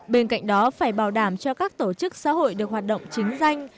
bên cạnh đó phải bảo đảm cho các tổ chức xã hội được hoạt động chính danh